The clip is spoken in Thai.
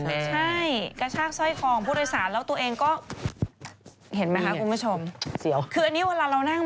ใช่ระชากสร้อยกองผู้โดยสารแล้วตัวเองก็เห็นไหมคะคุณผู้ชม